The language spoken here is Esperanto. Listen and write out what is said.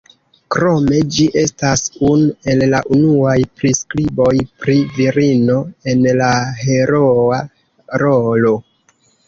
Krome ĝi estas unu el la unuaj priskriboj pri virino en la heroa rolo.